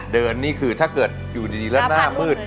เดินนี่คือถ้าอยู่ที่นี่แล้วหน้ามืด